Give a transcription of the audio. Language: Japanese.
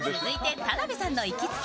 続いて田辺さんの行きつけ！